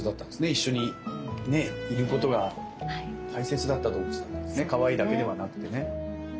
一緒にねいることが大切だった動物だったんですねかわいいだけではなくてね。